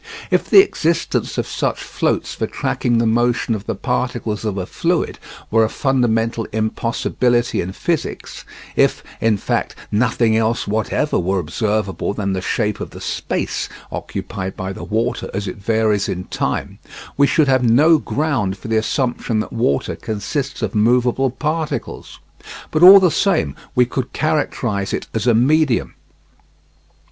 If the existence of such floats for tracking the motion of the particles of a fluid were a fundamental impossibility in physics if, in fact, nothing else whatever were observable than the shape of the space occupied by the water as it varies in time, we should have no ground for the assumption that water consists of movable particles. But all the same we could characterise it as a medium.